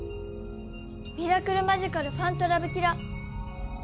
ミラクルマジカルファントラブキラ。